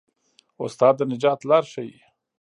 استاد د نجات لار ښيي.